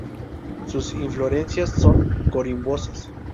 Sus inflorescencias son corimbosas.